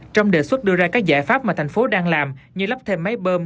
trong đề xuất đưa ra các giải pháp mà tp đang làm như lắp thêm máy bơm